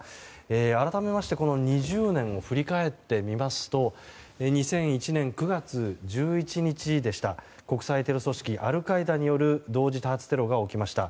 改めましてこの２０年を振り返ってみますと２００１年９月１１日でした国際テロ組織アルカイダによる同時多発テロが起きました。